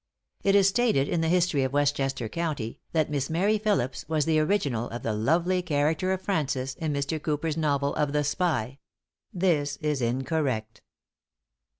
It is stated in the History of Westchester County, that Miss Mary Philipse was the original of. the lovely character of Frances, in Mr. Cooper's novel of "The Spy:" this is incorrect.